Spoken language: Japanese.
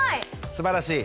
すばらしい。